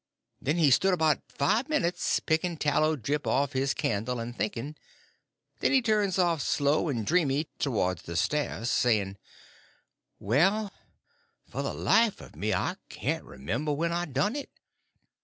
Then he stood about five minutes, picking tallow drip off of his candle and thinking. Then he turns off slow and dreamy towards the stairs, saying: "Well, for the life of me I can't remember when I done it.